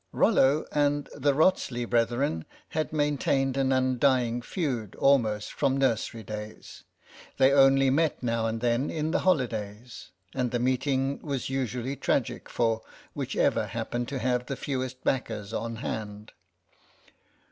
Rollo and the Wrotsley brethren had maintained an undying feud almost from nursery days. They only met now and then in the holidays, and the meeting was usually tragic for whichever happened to have the fewest backers on hand.